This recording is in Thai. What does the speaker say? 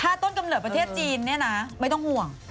ถ้าต้นกำเนิดประเทศจีนเนี่ยนะไม่ต้องห่วง